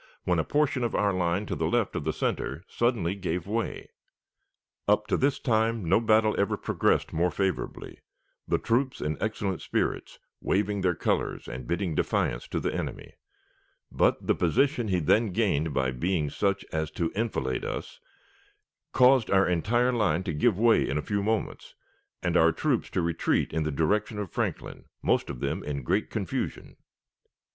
when a portion of our line to the left of the center suddenly gave way. Up to this time no battle ever progressed more favorably the troops in excellent spirits, waving their colors and bidding defiance to the enemy; but the position he then gained being such as to enfilade us, caused our entire line to give way in a few moments and our troops to retreat in the direction of Franklin, most of them in great confusion.